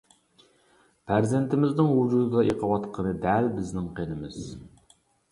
پەرزەنتىمىزنىڭ ۋۇجۇدىدا ئېقىۋاتقىنى دەل بىزنىڭ قېنىمىز.